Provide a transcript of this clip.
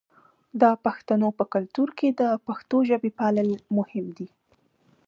د پښتنو په کلتور کې د پښتو ژبې پالل مهم دي.